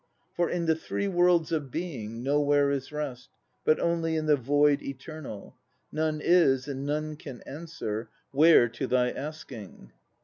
For in the Three Worlds of Being Nowhere is rest, 1 but only In the Void Eternal. None is, and none can answer Where to thy asking.